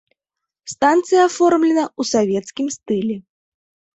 Станцыя аформлена ў савецкім стылі.